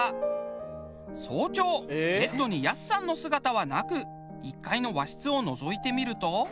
早朝ベッドにやすさんの姿はなく１階の和室をのぞいてみると。